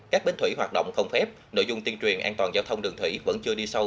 các bến thủy hoạt động không phép nội dung tiên truyền an toàn giao thông đường thủy vẫn chưa đi sâu